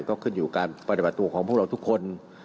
ก็ขึ้นอยู่การปฏิบัติตัวของพวกเราทุกคน